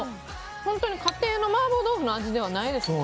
本当に家庭の麻婆豆腐の味ではないですよ。